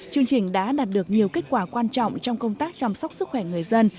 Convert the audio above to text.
chương trình đã đạt được nhiều kết quả quan trọng trong công tác chăm sóc sức khỏe người dân